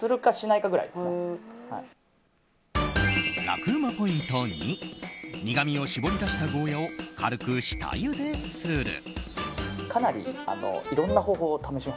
楽ウマポイント２苦みを絞り出したゴーヤを軽く下ゆでする。